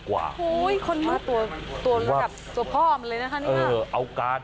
ถ้าตัวหลับตัวพ่อมเลยนะครับ